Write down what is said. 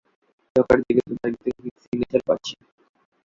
ঢোকার জায়গাতে টার্গেটের হিট সিগনেচার পাচ্ছি।